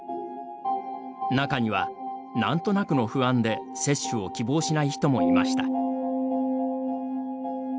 中には「なんとなくの不安」で接種を希望しない人もいました。